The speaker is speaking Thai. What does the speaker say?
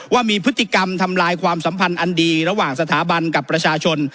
ว่ามีพฤติกรรมทำลายความสัมพันธ์อันดีระหว่างสถาบันกับประชาชน